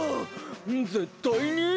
ぜったいに！